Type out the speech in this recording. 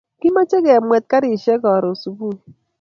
Kimache kemwet karishek karun subui